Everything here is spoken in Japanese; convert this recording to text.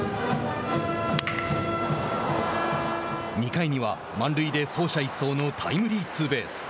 ２回には、満塁で走者一掃のタイムリーツーベース。